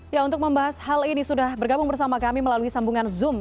ya untuk membahas hal ini sudah bergabung bersama kami melalui sambungan zoom